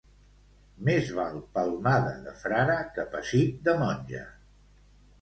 Més val palmada de frare que pessic de monja.